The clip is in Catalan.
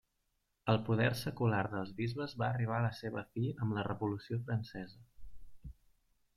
El poder secular dels bisbes va arribar a la seva fi amb la Revolució Francesa.